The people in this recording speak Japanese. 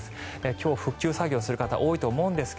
今日、復旧作業をする方多いと思います。